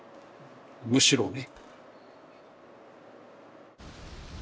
むしろね。